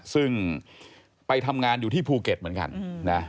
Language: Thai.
ซึ่งไปทำงานอยู่ที่ภูเก็ตเหมือนกันนะ